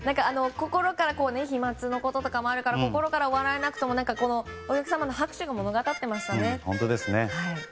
飛沫のこととかもあるから心から笑えなくてもお客様の拍手が物語ってましたね。